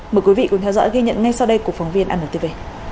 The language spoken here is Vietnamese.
mời quý vị cùng theo dõi ghi nhận ngay sau đây của phóng viên antv